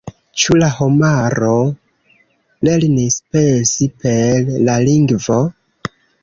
Ĉu la homaro lernis pensi per la lingvo?